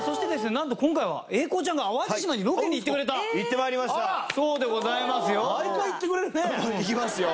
なんと今回はに行ってくれた行ってまいりましたそうでございますよ毎回行ってくれるね行きますよ